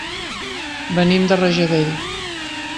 Venim de Rajadell.